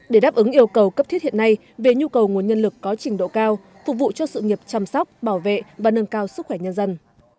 để đáp ứng yêu cầu cấp thiết hiện nay về nhu cầu nguồn nhân lực có trình độ cao phục vụ cho sự nghiệp chăm sóc bảo vệ và nâng cao sức khỏe nhân dân